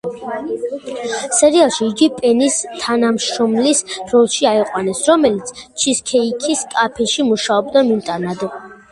სერიალში იგი პენის თანამშრომლის როლში აიყვანეს, რომელიც ჩიზქეიქის კაფეში მუშაობდა მიმტანად.